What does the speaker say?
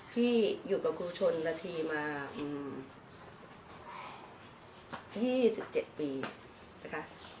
พี่อยู่กับคุณชนนาธีมา๒๗ปีนะคะ